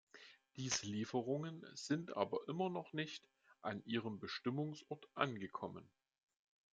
Diese Lieferungen sind aber immer noch nicht an ihrem Bestimmungsort angekommen.